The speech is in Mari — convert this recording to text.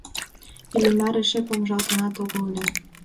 Иллимар эше помыжалтынжат огыл ыле.